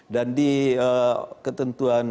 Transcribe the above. dan di ketentuan